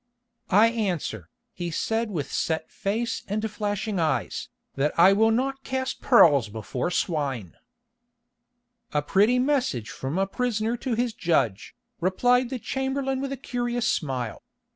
"I answer," he said with set face and flashing eyes, "that I will not cast pearls before swine." "A pretty message from a prisoner to his judge," replied the chamberlain with a curious smile.